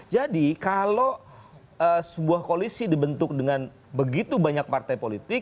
jadi kalau sebuah koalisi dibentuk dengan begitu banyak partai politik